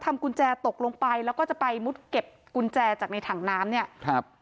ทำกุญแจตกลงไปแล้วไปมุดเก็บกุญแจจากในถังน้ำ